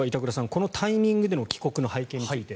このタイミングでの帰国の背景について。